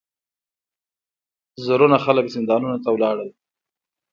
زرګونه خلک زندانونو ته لاړل.